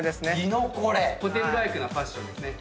ホテルライクなファッションですね。